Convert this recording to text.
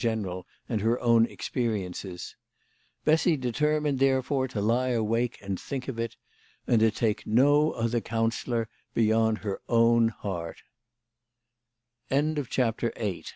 167 general and her own experiences. Bessy determined, therefore, to lie awake and think of it, and to take no other counsellor beyond her own